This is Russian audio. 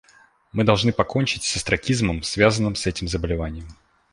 Мы должны покончить с остракизмом, связанным с этим заболеванием.